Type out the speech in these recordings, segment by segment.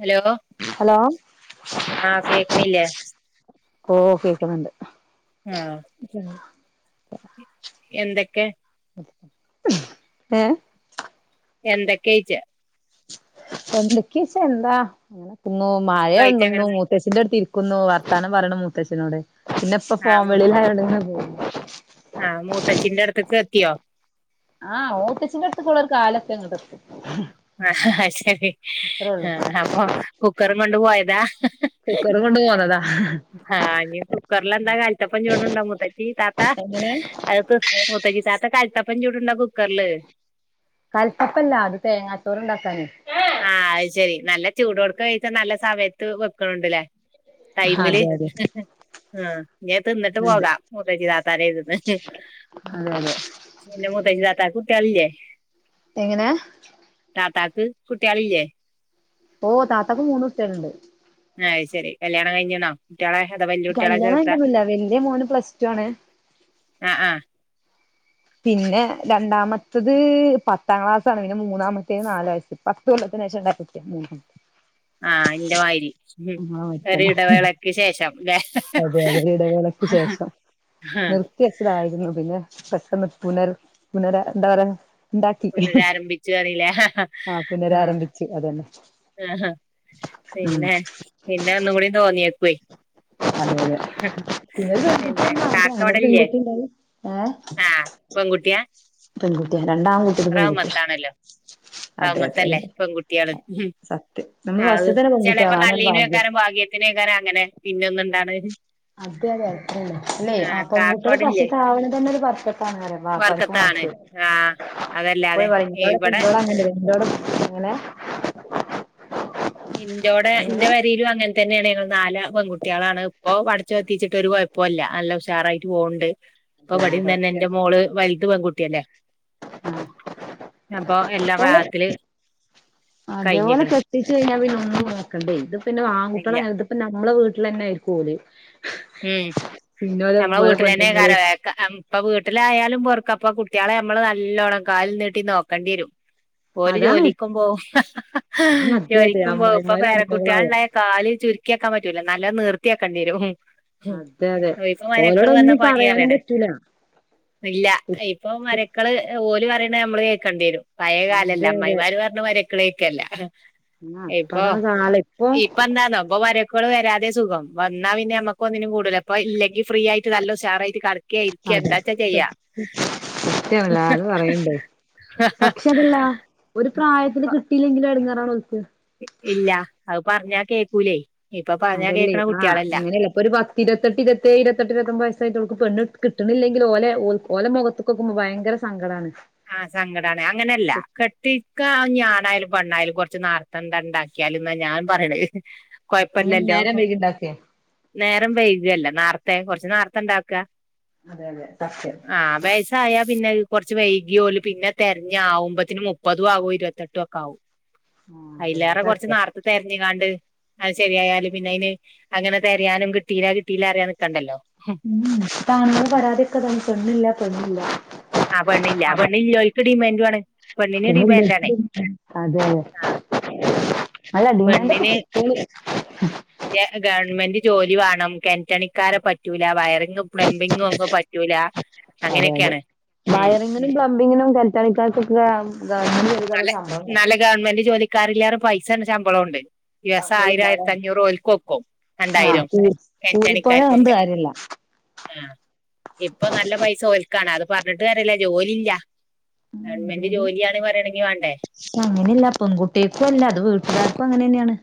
Hello hello ആഹ് കേക്ക്ണില്ലെ ഓ ആഹ് മ്മ് എന്തക്കെ ഏ എന്തെകെയിച്ച പന്തെക്കയിച്ച എന്താ അങ്ങനക്കുന്നു യിട്ട് മഴണ്ടെന്ന് അങ്ങനെ മുത്തച്ഛൻ്റെടുത്തിരിക്കുന്നു വർത്താനം പറയണ് മൂത്തചിനോട് പിന്നെയിപ്പ ഫോൺ ആഹ് വിളിയിലായോണ്ട് ആഹ് മൂത്തചിന്റെടുത്തിക്ക്എത്തിയോ ആഹ് ഓതിച്ചിന്റടുതിക്ക് ഓളോര കാലതിയങ്ങട് എത്തും ആഹ് അയ്ശരി അത്രേ ഉള്ളൂ ഹാ ഹപ്പൊ കുക്കറും കൊണ്ട് പോയതാ തും കൊണ്ട് പോന്നതാ ഹാ ആഹ് ഇനി കുക്കറിലെന്താ കാലിത്തപ്പം ചുടണുണ്ടോ മൂത്തച്ചി താത്ത എങ്ങനെ അതിപ്പ മൂതച്ചി താത്ത കാലിത്തപ്പം ചുടണുണ്ടോ കുക്കറില് കൽത്തപ്പല്ല അത് തേങ്ങാച്ചൊറ് ണ്ടാക്കാന് ആഹ് അയ്ശെരി നല്ല ചൂടോടക്കെ കയിക്ക നല്ല സമയത്ത് വെക്കണണ്ടല്ലേ ടൈമില് അതെ അതെ ആഹ് ഇനിഅത് തിന്നിട്ട് അതെ പോകാ മൂതച്ചിതാത്തടെട്തന്ന് അതെ അതെ പിന്നെ മൂത്തച്ചിതാത്തക്ക് കുട്ടിആളില്ലേ എങ്ങനാ താത്തക്ക് കുട്ടിആളില്ലേ ഓഹ് താത്തക്ക് മൂന്ന് കുട്ടികളുണ്ട് ആഹ് അയ്ശരി കല്യാണം കഴിഞ്ഞണോ കുട്ടികളെ അതാ വല്യ കുട്ടികളെ കല്യാണം ചേർത്ത കഴിഞ്ഞിട്ടൊന്നുല്ല വല്യ മോന് പ്ലസ് ടു ആണ് ആഹ് ആഹ് പിന്നെ രണ്ടാമത്തത് പത്താം ക്ലാസാണ് പിന്നെ മൂന്നാമത്തേ നാല് വയസ്സ് പത്ത് കൊല്ലത്തിന് ശേഷം ഉണ്ടായ കുട്ടിയാ ആഹ് ഇന്റെ മായ്രി ഇങ്ങളെ മാരിത്തന്നെ ചെറിയ ഇടവേളയ്ക്ക് ശേഷംല്ലേ അതെ അതെ ഇടവേളക്ക് ശേഷം ആഹ് നി നിർത്തിവെച്ചതായിരുന്നു പിന്നെ പെട്ടെന്ന് പുനർ പുനര എന്താ പറയാ ഉണ്ടാക്കി പുനരാരംഭിച്ചു പറില്ലേ ആഹ് പുനരാരംഭിച്ചു അതന്നെ ആഹ് ഉം പിന്നെ പിന്നെ ഒന്നും കൂടി തോന്നിയേക്കേ അതെ അതെ ഒരു പിന്നെ പെൺകുട്ടിയാണ് ആകെ കാക്ക അങ്ങനെ ഒരു ഇവടല്ലേ പെൺകുട്ടി ഉണ്ടായി ആഹ് പെൺകുട്ടിയ പെൺകുട്ടിയ രണ്ടാം റഹ്മത്താണല്ലോ അതെ റഹ്‌മത്തല്ലേ അതെ പെൺകുട്ടിയാള് സത്യം നമ്മള് അത് ഫസ്റ്റ്ത്തന്നെ ചെലേപ്പോ പെൺകുട്ടിയാവണം അതന്നെ ഒരു നല്ലീന ഭാഗ്യം വെക്കാനും ഭാഗ്യത്തിന്, വക്കാനും അങ്ങനെ പിന്നെ ഒന്ന ഇണ്ടാണ് അതെ അതെ അത്രല്ലേ അല്ലേ അപ്പം കാക്ക പെങ്‌ട്ടിയാള് ഇവിടില്ലേ ഫസ്റ്റ്താവണന്നെ ഒരു ബർഖത്താണറിയാ ആഹ് വാപ്പക്കും വർക്കത്താണ് മട്ട് ആഹ് അതല്ലാതെ ഇവിടെ അങ്ങനെ [unintelligible] അങ്ങനെ ഇന്റോടെ എങ്ങനെ ന്റെ അങ്ങനെ തന്നെയാണ് ഞങ്ങള് നാല് പെൺകുട്ടികളാണ്, ഇപ്പോ പഠിച്ചു എത്തിച്ചിട്ട് ഒരു കൊയപ്പോ ല്ല ഹഷാറായി പോണ്ട്, ഇപ്പ അതെ അതെ ഇവടിം തന്നെ സത്യം എൻറെ മോള് വല്ത് പെൺകുട്ടിയല്ലേ അപ്പൊ എല്ലാം റാഹത്തില് അതെ പോലെ കഴിഞ്ഞിക്ക്ണ് കത്തിച്ച് കഴിഞ്ഞാൽ പിന്നെന്ന നോക്കണ്ടേ ഇത് പിന്നെ വാൻകുട്ടികള ഇപ്പ നമ്മുടെ വീട്ടിൽ തന്നെ ആരിക്കും ഓല് ഉം പിന്നെ ഓലെ നമ്മളെ ഓലെ പെണ്ണുങ്ങള് വീട്ടിലാന്നെക്കാരം ല്ലേ ഇപ്പ വീട്ടിലായാലും പൊർക്ക അപ്പ കുട്ടികളെ നമ്മള് നല്ലോണം കാലിൽ നീട്ടി നോക്കേണ്ടിയരും [inaudible] ഒരു ജോലിക്കും പോവും, അതെ അതെ ജോലിക്കും, പോവും, ഇപ്പൊ അമ്മായിമാര് വേറെ അടിമകളാവും കുട്ടികാളള്ള കാലിൽ ചുരുക്കിയാക്കാൻ പറ്റൂല നല്ല നിർത്തിയാക്കണ്ടി വരും അതെ അതെ ഉം ഇപ്പൊ മരക്കൾ ഓലോട് വന്ന ഒന്നും പറയാനും പണിയറണെ പറ്റൂല ഇല്ല ഇപ്പ മരക്കള് ഓല് പറയണ നമ്മള് കേക്കണ്ടി വരും പഴെ കാലല്ല, അതെ അതെ അമ്മമായിമാര് പറഞ്ഞ മരക്കളേക്കല്ല ആ ഇപ്പ ഇപ്പൊ അതാണ് കാലം ഇപ്പൊ എന്താന്നോ അപ്പൊ വരെ മക്കള് വരാതെ സുഖം വന്നാ പിന്നെ നമ്മുക്ക് ഒന്നിനും കൂടുല അപ്പോ ഇല്ലെങ്കിൽ ഫ്രീ ആയിട്ട് നല്ലോഷർ ആയിട്ട് കടക്കെ ഇരിക്കെ എന്താച്ചാ അതെ ചെയ്യാ സത്യാണല്ലോ [unintelligible] തല്ല ഒരു പ്രായത്തിൽ കിട്ടില്ലെങ്കിലും എടങ്ങാറാാണ് വിളിച്ചത് ഇല്ല അത് പറഞ്ഞാ കേക്കൂലേ ഇപ്പൊ പറഞ്ഞാ അതല്ലേ, കേക്കണ ആഹ്. കുട്ടികളല്ല അങ്ങനെയല്ലപ്പൊ ഒരു പ ഇരുപത്തെട്ട് ഇരുപത്തേഴ്, ഇരുപത്തെട്ട് ഇരുവത്തൊമ്പത്, വയസായിട്ടുക്ക് പെണ്ണ് കിട്ടണില്ലെങ്കിൽ ഓല ഓലെ മുഖത്തും നോക്കുമ്പോ ഭയങ്കര സങ്കടാണ്. ആഹ് സങ്കടാണ്, അങ്ങനെല്ല കെട്ടിക്ക ആണായാലും പെണ്ണായാലും കുറച്ച് നാൾ ഉണ്ടാക്കിയാലും എന്നാ ഞാൻ പറയണ എങ്ങനെ കൊഴപ്പല്ലല്ലോ. നേരം വൈകിണ്ടാക്കേ നേരം വൈകല്ല നാർത്തെ കുറച്ച് നാർത്തെണ്ടാക്ക അതെ അതെ സത്യം ആഹ് വയസ്സായ പിന്നെ കൊറച്ച് വൈ പിന്നെ തെരഞ്ഞകുമ്പത്തിന് മുപ്പതും ആകും ഇരുപത്തെട്ടും ഒക്കെ ആകും ആഹ് അതെ അതെ അയ്ലേറെ കൊറച്ച് സത്യാ നോർത്തത്തെരഞ്ഞങ്ങാണ്ട് അത് ശരിയായാലും പിന്നെ അയ്ന് അങ്ങനത്തെ അറിയാനും കിട്ടീല കിട്ടീല അറിയാൻ നിക്കണ്ടല്ലോ [unintelligible] പരാതിയൊക്കെതാ പെണ്ണില്ല പെണ്ണില്ല ആ പെണ്ണില്ല ആ അതെ പെണ്ണില്ലോൽക്ക് ഡിമാൻഡു ആണ് പെണ്ണിന് ഡിമാൻഡാണേ [unintelligible] അതെ ആഹ് ആഹ് അല്ല ഡിമാന്റ്ഒക്കെ പെണ്ണിന് കൊട്ത്തിനി ഗവൺമെന്റ് ജോലി വേണം. കേണ്റ്റണി പണിക്കാരെ പറ്റൂല വയറിംഗും പ്ലംബിങ്ങും ഓക്കു പറ്റൂല അതെ അതെ അങ്ങനെക്കെയാണ് വയറിങ്ങിനും പ്ലംബിങ്ങിനും കേണ്റ്റണിക്കാർക്കൊക്കെ ഗവണ്മെന്റ് നല്ല ജോലിക്കാരെക്കാൾ സമ്പളണ്ടാവും നല്ല ഗവൺമെന്റ് ജോലിക്കാരിലേറെ പൈസണ്ട് ശമ്പളോണ്ട് ദിവസം ശമ്പളം ആയിരം ഉണ്ടാകാൻ ആരത്തഅഞ്ഞൂറ് ഓല്ക്ക് കൊട്ക്കും ആഹ് രണ്ടായിരും കൂലി കൂലിപ്പണി പറഞ്ഞിട്ട് -കേണ്റ്റണിക്കാർക്കൊക്കെ കാര്യല്ല ആഹ് ഇപ്പൊ നല്ല പൈസ ഒൽക്കാണ് അത് പറഞ്ഞിട്ട് കാര്യല്ല ജോലില്ല ഗവൺമെന്റ് ജോലിയാണ് പറയണമെങ്കി വണ്ടേ അങ്ങനല്ല പെൺകുട്ടേക്കും അല്ല അത് വീട്ടുകാർക്കും അങ്ങനെന്നെയാണ്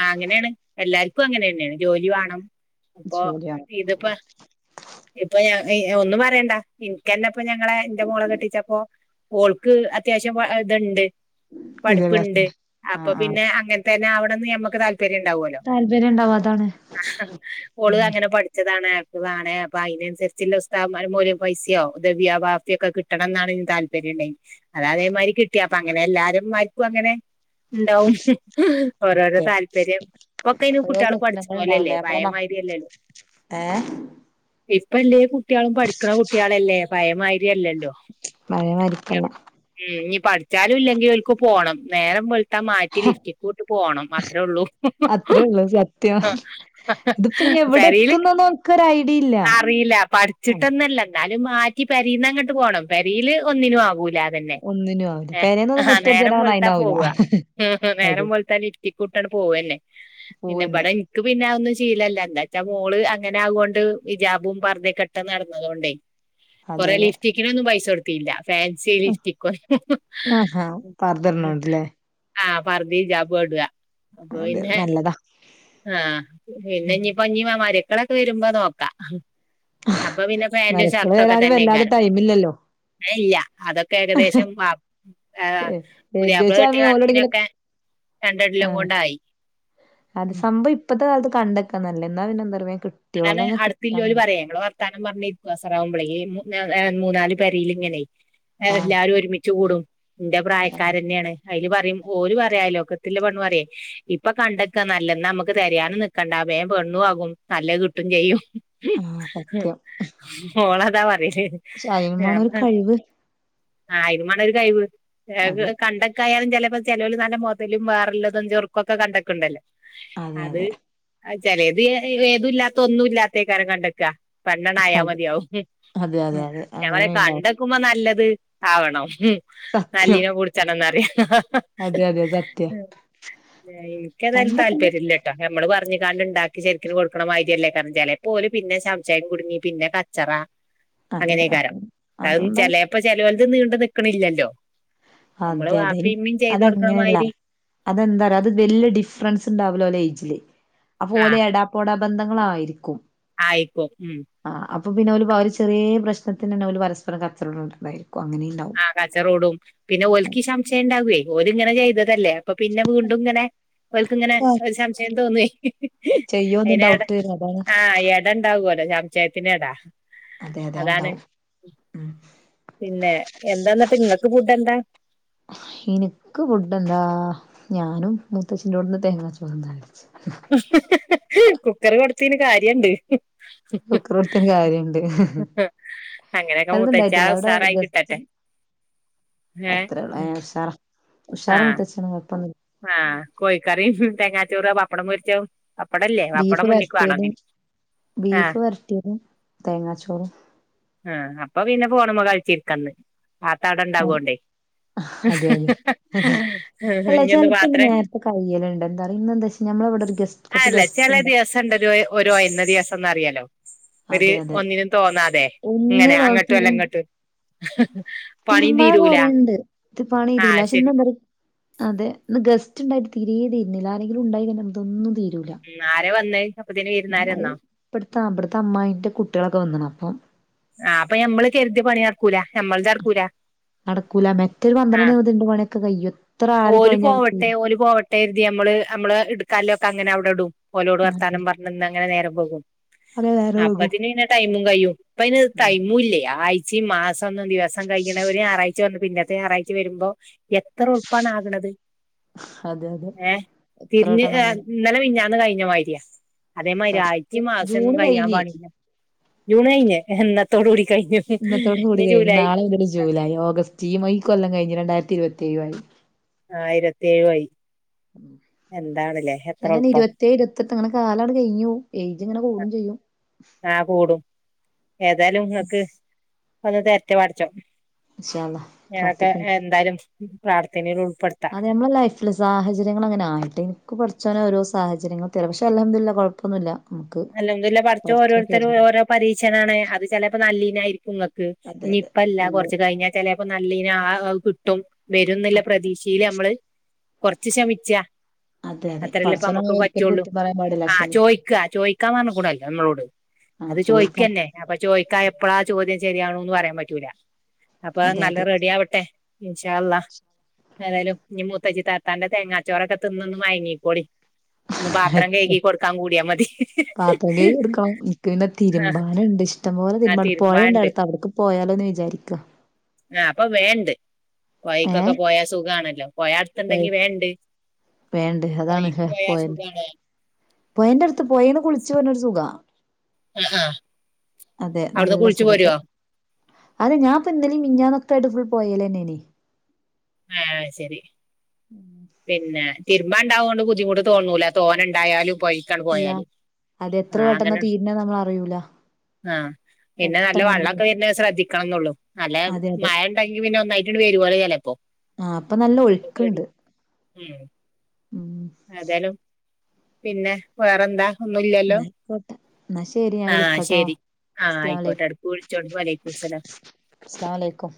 ആഹ് അങ്ങനെണ് എല്ലാർക്കും അങ്ങനെന്നെണ് ജോലി വേണം ഇപ്പൊ ജോലിയാണ് ഇതിപ്പോ ഇപ്പൊ ഞ ഒന്നും പറയണ്ട ഇനക്കെന്നെ ഇപ്പൊ ഞങ്ങളെ ഇന്റെ മോളെ കെട്ടിച്ചപ്പോ ഓൾക്ക് അത്യാവശ്യം ഇത്ണ്ട് പഠിപ്പ്ണ്ട് വിദ്യാഭ്യാസത്തിന്റെ അപ്പൊ ആഹ് ആഹ് പിന്നെ അങ്ങനത്തെ തന്നെ ആവണന്ന് ഞമ്മക്ക് താല്പര്യണ്ടാവല്ലോ താല്പര്യം ഉണ്ടാവും അതാണ് ആഹ് ഓൾ ഉം അങ്ങനെ പഠത്തം താണ് ഹാഫിള് ആണ് അപ്പൊ അതിനുസരിച്ചുള്ള ഉസ്താദ് മാരോ. മൊല്യ ‌ ഫൈസി യോ ഹുദവിയോ വാഫിയോ ഒക്കെ കിട്ട കിട്ടണം എന്നാണ് ഇന്ക് താല്പര്യം ണ്ടയ്ന് അത് അതേമാതിരി കിട്ടിയപ്പോ അങ്ങനെ എല്ലാരെ മ്മാര്ക്കും അങ്ങനെ ഇണ്ടാവും ഓരോരോ ക്കെ താല്പര്യം ഇപ്പൊക്കെ അയിന് ഓരോ കുട്ടികൾ സ്വപ്നങ്ങൾ പഠിച്ച്ണോലല്ലേ ഉണ്ടാവൂലേ നമ്മളെ മ പഴേമായിരിയല്ലല്ലോ ഏഹ് ഇപ്പ എല്ലേ കുട്ടികളും പഠിക്ക്ണ കുട്ട്യാളല്ലേ പഴേമാരിയല്ലല്ലോ പഴയ മാരിക്കല്ല ഉം ഇഞ് പഠിച്ചാലും ഇല്ലെങ്കിൽ ഒൽക്ക് പോണം നേരം വെള്ത്ത മാറ്റി ലിപ്സ്റ്റിക്കൂട്ട് പോണം അത്രേ ഉള്ളൂ അത്രേ ഉള്ളൂ സത്യം ഇതിപ്പോ ഇനി എവിടെ പെരീല് എത്തുന്നൊന്നും ഓൽക്കൊരു ഐഡിയ ഇല്ല അറീല്ല പഠിച്ചിട്ടോ ആഹ് പടച്ചിട്ടോന്നല്ല എന്നാലും മാറ്റി പെരീന്ന് അങ്ങട്ട് പോകണം പെരീൽ ഒന്നിനും ആകൂല ഇതന്നെ ഒന്നിനും ആവൂല നേരം പെരേന്നൊന്നും ആഹാ മുറ്റടിച്ചാൻ നേരം പറഞ്ഞാ വെളുത്ത പോവാ അയിനാവൂല ഹു ഹുഹ് അതെ നേരം വെളുത്ത നേരം വെള്ത്താ ലിപ്സ്റ്റിക്കുട്ടങ്ങട്ട് പോവനെ പൂവന്നെ പിന്നെബടെ നമ്മക്ക് പിന്നെ അതൊന്നും ശീലല്ല എന്താ ച്ചാ മോള് അങ്ങനെ അവോണ്ട് ഹിജാബും പാർദെക്കെ ഇട്ട് നടന്നതൊണ്ടയ് അതെ കൊറെ അതെ ലിഫ്റ്റിക്കിന് ഒന്നും പൈസ കൊടുത്തില്ല ഫാൻസി ഫാൻസി ലിഫ്റ്റിക്കോ ആഹാ പർദ്ദട്ണോണ്ട്ല്ലേ ആ പർദ്ദയും ഹിജാബുഇടാ അപ്പൊ അതെ പിന്നെ നല്ലതാ ആഹ് ഉം പിന്നെപ്പഞ്ഞീപ്പമാ മരിയക്കൾ മരിയക്കളൊക്കെ വരുമ്പോ നോക്ക അപ്പൊ പിന്നെ ഫാൻന്റും മരക്കള് ഷർട്ടോക്കെ വരാന് വല്ലാതെ തന്നയ്ക്കാരം ടൈമില്ലല്ലോ ഇല്ല അതൊക്കെ ഏകദേശം വാപ് ഏഹ് ഏ പുതിയാപ്ല ഏകദേശം കിട്ടിയ ആവുമ്പോ ഓലെവ്ടെങ്കിലും കണക്കിനൊക്കെ രണ്ടോല്ലം ആഹ് കൊണ്ടായി അത് ഉം. സംഭവം ഇപ്പത്തെ കാലത്ത് കണ്ടക്കാനല്ലത് എന്നാ പിന്നെന്താറിയോ വേഗം കിട്ടും അതാണ് അടുത്തലോൽ പറയേ മ്മൾ വർത്താനം പറഞ്ഞിരിക്കും അസറാവുമ്പളേയ് ഏഹ് മൂന്നാല് പരേൽ ങ്ങനെയ് ആഹ് എല്ലാരും ഒരുമിച്ച് കൂടും ഇന്റെ ആഹ് പ്രായക്കാരന്നെണ് അയില് പറിം ഓൽ പറിം അയലോക്കത്ത്ള്ള പെണ്ണ് പറിയെയ് ഇപ്പൊ കണ്ടക്ക നല്ലെ ന്നാ നമ്മുക്ക് തെരയാനും നിക്കണ്ട വേം പെണ്ണു ആകും നല്ലത് കിട്ടും ചെയ്യും ആഹ് സത്യം ഒള്ളതാ പറയല് പക്ഷേ അയിനും മാണം ഒരു കഴിവ് ആഹ് അയിനുമാണോരു കഴിവ് അതെ ഏഹ് കണ്ടക്ക അങ്ങനെകയാലും ചിലപ്പോ ചേലോൽ നല്ല മുതലും വേറള്ളതും ചോറ്ക്കൊക്കെക്കണ്ടക്ക്ണ്ടല്ലോ അതെ അത് അതെ ചിലേത് ഏതുല്ലാത്തെ ഒന്നു ല്ലാത്തയ്ക്കാരം കണ്ടക്ക പെണ്ണണ്ട് ആയാൽ അതെ മതിയാവും അതെ അതെ അതെ ഞാന് പറയാ അങ്ങനെണ്ടാവും കണ്ടക്ക കണ്ടക്കുമ്പോ നല്ലത് ആവണം ഹും സത്യം നല്ലീനെ പുട്ച്ചണംന്നറിം അതെ അതെ സത്യാ ആഹ് ഇനിക്കേതായാലും കണ്ടെത്തുമ്പോ താല്പര്യല്ലട്ടോ ഹ ഞമ്മള് പറഞ്ഞ്കാണ്ട്ണ്ടാക്കി ശരിക്കും പിന്നെ കൊടുക്കണ മാരിഅല്ലേയ്ക്കാരം ചെലേപ്പോല് പിന്നെ ശംശയം കുടുങ്ങി പിന്നെ കച്ചറ അതെ അങ്ങനെക്കാരം അതെ അത് അതുണ്ടാവും ചേലേപ്പോ ചേലോൽത് നീണ്ട് നിക്ക്ണില്ലല്ലോ അമ്മള് അതെ അതെ ഇനി വാപ്പീമ്മീം ചെയ്ത് കൊടുക്കണ അതങ്ങനെയല്ല മായ്രി അതെന്താറിയോ അത് വല്ല്യ ഡിഫറൻസ്ണ്ടാവൂല്ല ഓലേജില് അപ്പൊ ഓൽ ആഹ് എടാ പോടാ ബന്ധങ്ങളായിരിക്കും ആയിക്കു ഉം ആഹ് അപ്പ പിന്നെ അവല് വളരേ ചെറിയേ പ്രശ്നത്തിനന്നെ ഓല് പരസ്പരം കച്ചറ ഉണ്ടായിരിക്കും അങ്ങനേണ്ടാവും ആഹ് കച്ചറ കൂടും പിന്നെ ഓല്ക്ക് ശംശയണ്ടാവുവേ ഓലിങ്ങനെ ചെയ്തതല്ലേ പ്പ പിന്നെ വീണ്ടുങ്ങനെ ഓൽക്ക്ങ്ങനെ ഒരു ശംശയം തോന്നുവേ ചെയ്യോന്ന് അയിനെട ഡൗട്ട് വരും അതാണ് ആഹ് എടണ്ടാവല്ലോ ശംശയത്തിനെട അതെ അതെ അതാണ് ഉണ്ടാവും പിന്നെ എന്താന്നിട്ട് ങ്ങക്ക് ഫുഡെന്താ എനക്ക് ഫുഡെന്താ ഞാനും മൂത്തശ്ശിൻ്റോടുന്ന് തേങ്ങാ ചോറ് കഴിച്ചു ഹ്ഹ്ഹ്ഹ്ഹ് കുക്കർ കൊടുത്തീന് കാര്യണ്ട് കുക്കർ കൊടുത്തെന് കാര്യണ്ട് ഹ് അങ്ങനെയൊക്കെ മൂത്തച്ഛാ അതൊന്നുണ്ടായിട്ടില്ല അവിടെ ഉസാറായി ഗസ്റ്റ് കിട്ടട്ടെ ഏഹ് അത്രേള് ഉഷാറാ ഉഷാറ് ആഹ് മുത്തച്ചന് [unintelligible] ആഹ് കോയ് കറീം തേങ്ങാ ചോറുവ പപ്പടം പൊരിച്ചതും പപ്പടല്ലേ ബീഫ് പപ്പടം മുന്നിക്ക് വേണം വരട്ടിയതും ഇതിന് ആഹ് ബീഫ് വരട്ടിയതും തേങ്ങാച്ചോറും ആഹ് അപ്പൊ പിന്നെ ഫോണുമേ കഴിച്ചിരിക്കന്ന് ആത്താടണ്ടാവോണ്ടേ ഹ്ഹഹഹ അല്ലാ ചിലപ്പിന്റെ നേരത്തെ കയ്യലുണ്ട് എന്താ അറിയോ ഇന്നെന്താച്ച ഞമ്മളിവിടൊരു ഗസ്റ്റ് കൊറച്ച് അതല്ല ഗസ്റ്റ് ചെല ഉണ്ട് ദിവസണ്ടൊരു ഒരു ഒയന്ന ദിവസന്ന്റിയലോ ഒര് അതെ അതെ ഒന്നിനും തോന്നാതെ ഒന്നിന് ഇങ്ങനെ നോ അങ്ങട്ടുവല്ല ങ്ങട്ടുവല്ല തീരുമ്പാന് കൊറെണ്ട് ഇത് പണിരൂല ആഹ് പക്ഷേ ഇന്ന് ശരി എന്താറിയൊ അതെ ഇന്ന് ഗസ്റ്റ്ണ്ടായിട്ട് തീരേ തീരുന്നില്ല അരെങ്കിലും ഉണ്ടായാ പിന്നെ ഇതൊന്നും തീരൂല്ല മ്മ് ആര വന്നേ അപ്പത്തേന് വിരുന്നുകാരന്നോ ഇപ്പടുത്തെ ഇബ്ടുത്തെ അമ്മായീന്റെ കുട്ടികളൊക്കെ വന്ന്ണ് അപ്പം ആഹ് അപ്പ ഞമ്മള് കെരുതിയ പണി നടക്കൂല ഞമ്മൾതടക്കൂല നടക്കൂല മെറ്റൊരു പന്ത്രണ്ട് [unintelligible] ൻ്റെ പണിയൊക്കെ കയ്യും എത്ര ആടി കൊയഞ്ഞാലും തീരും ടെരുതി അമ്മള് അമ്മള് എടുക്കാന്ള്ളൊക്കെ അങ്ങനെ അവിടെടും ഓലോട് അതെ വർത്താനം പറഞ്ഞ്ന്ന്ങ്ങനെ നേരം പോകും അതെ നേരം വൈകും അപ്പത്തിന് ന്നെ ടൈമും കയും ഇപ്പയ്ന് ഉം ടൈമും ഇല്ലേ ആഴ്ചയും മാസന്നും ദിവസം കഴിയണവ ഒരു ഞായറാഴ്ചയ വന്നു പിന്നത്തെ ഞായറാഴ്ച്ച ച്ച വരുമ്പോ എത്ര ഉർപ്പാണ് ആക്ണത് അതെ അതെ ഏഹ് എത്ര തിരിഞ്ഞ് ഏ വട്ടംന്നാണ് ഇന്നലെ മിഞ്ഞാന്ന് കയ്ഞ്ഞ മാതിരിയാ അതേമാതിരി സത്യം ആഴ്ചയും ജൂൺ മാസൊന്നും കഴിയാൻ കഴിഞ്ഞ് പാടില്ല ജൂണ് കയ്ഞ്ഞ്ല്ലേ ഇന്ന ത്തോട് കൂടി കയ്ഞ്ഞു ഇനി ജൂലായി ജൂലായ് ഓഗസ്റ്റ് ഈ മൈ കൊല്ലം കഴിഞ്ഞു രണ്ടായിരത്തി ഇരുപത്തേഴുവായി ആഹ് ഇരുപത്തിയേഴുവായി എന്താണ്ല്ലേ എത്രെളുപ്പം ഇരുത്തേഴ് ഇരുത്തെട്ട് ങ്ങനെ കാലാട് കഴിഞ്ഞു പോം ഏജ് ഇങ്ങനെ കൂടും ചെയ്യും ആഹ് കൂടും ഏതായാലും ങ്ങക്ക് ഒന്ന് തേരറ്റ് പടച്ചോ ഇൻഷാ അല്ലാഹ് ഞാക്കെ പ്രാർത്ഥിക്കണ്ട് എന്തായാലും പ്രാർത്ഥനേല് ഉൾപ്പെടു അതേമ്മള് ലൈഫ് ഫില് സാഹചര്യങ്ങളങ്ങനായിട്ട് എനിക്ക് പടച്ചോന് ഓരോ സാഹചര്യങ്ങൾ തരാ പക്ഷേ അൽഹം ദുല്ല കൊഴപ്പൊന്നുല്ല അൽഹം ദുല്ല പടച്ചോൻ ഓരോരുത്തര് ഓരോ പരീക്ഷണാണ് അത് ചെലപ്പോ നല്ലേനാരിക്കും നിങ്ങക്ക് അതെ അതെ ഇനിയിപ്പല്ല നമ്മള് കൊറച്ച് കഴിഞ്ഞാ ചെലേപ്പാ നല്ലേന ആ അത് കിട്ടും വരുംന്ന്ല്ല അതെ പ്രതീക്ഷേലമ്മള് കൊറച്ച് ക്ഷമിച്ചാ അതെ അതെ പടച്ചോനെ അത്രല്ലേപ്പമ്മക്ക് നമ്മള് ഒരിക്കലും പറ്റുള്ളൂ കുറ്റം പറയാൻ പാടില്ല ആഹ് ക്ഷമിക്ക ചോയിക്കാ ചോയ് യ്ക്കാൻ പറഞ്ഞ കൂടല്ലോ നമ്മളോട് അത് ആഹ് ചോദിക്കാ ചോദിക്കന്നെ അപ്പൊ ചോദിക്കാ എപ്പളാ ചോദ്യം ശരിയാണോന്ന് പറയാൻ പറ്റൂല അപ്പൊ അതെ നല്ല അതെ റെഡി ആവട്ടെ ഇൻശാ അള്ളാ ഏതായാലും ഇനി മൂത്തച്ചി താത്താന്റെ തേങ്ങാച്ചോറൊക്കെ തിന്നൊന്ന് മയങ്ങിക്കോളി ഒന്ന് പാത്രം ആയിക്കോ കഴികി കൊടുക്കാൻ കൂടിയാ മതി [unintelligible] എടുക്കണം എനിക്ക് പിന്നെ തിരുമ്പാന് ഇണ്ട് ഇഷ്ടം പോലെ ആഹ് തിരുമ്പാനിണ്ട് തിരുമ്പാണ്ട് പൊഴേണ്ടടുത്ത് അവിടക്ക് പോയാലോന്ന് വിചാരിക്കാ ആഹ് അപ്പൊ വേണ്ട് ഏ പൊയയ്ക്കൊക്കെ പോയാ സുഖാണല്ലോ പൊയ അട് പൊഴ ത്തണ്ടെങ്കി വേണ്ട് വേണ്ട് പൊഴേക്ക് പോയാ സുഖാണ് പൊഴെണ്ടട്ത്ത് പൊഴേന്ന് കുളിച്ച് വര്ണ്ണൊരു സുഖാ ആ ആ അതെ അവിടുന്ന് നല്ല കുളിച്ചു സുഖത്ത് പോരുവോ അതെ ഞാൻപ്പോ ഇന്നലിം മിനിഞ്ഞാന്നൊക്കെ ആയിട്ട് ഫുൾ പൊഴേലെന്നേനെ ഏഹ് അയ് സെരി പിന്നെ തിരുമ്പാണ്ടാവോണ്ട് ബുദ്ധിമുട്ട് തോന്നൂല തോനെണ്ടായാലും പൊഴ ഇല്ല അതെത്ര പെട്ടെന്ന തീരണേന്ന് നമ്മളറിയൂല ആഹ് പിന്നെ നല്ല വെള്ളൊക്കെ വര്ണത് ശ്രദ്ധിക്കണംന്നൊള്ളു നല്ല അതെ അതെ മഴ ഇണ്ടെങ്കി പിന്നെ ഒന്നായിട്ട്ട് വരുവോലെ ചെലെപ്പോ ആഹ് ഇപ്പൊ നല്ല ഒഴുക്ക്ണ്ട് ഉം ഉം ഏതാലും പിന്നെ വേറെന്താ? ഒന്നുല്ലല്ലോ ന്നാ ആയിക്കോട്ടെ ന്നാ ശരി ഞാൻ ആഹ് വിളിക്കട്ടോ ശരി ആഹ് ആയിക്കോട്ടെ അസ്സലാമലൈക്കും എടക്ക് വിളിച്ചോണ്ടി വാലൈക്കുസ്സലാം അസ്‌ലാം അലൈക്കും